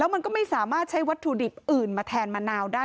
มันก็ไม่สามารถใช้วัตถุดิบอื่นมาแทนมะนาวได้